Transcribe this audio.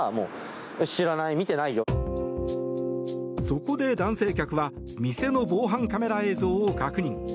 そこで男性客は店の防犯カメラ映像を確認。